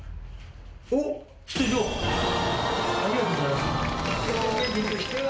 おっ出場ありがとうございます。